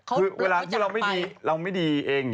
คือเราไม่ดีเอง